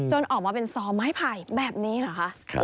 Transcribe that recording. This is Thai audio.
ออกมาเป็นซอไม้ไผ่แบบนี้เหรอคะ